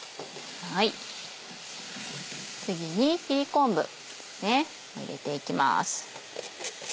次に切り昆布ですね入れていきます。